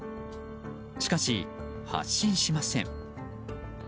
しかし発進しません。